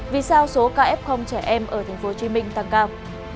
vì sao số ca f trẻ em ở tp hcm tăng cao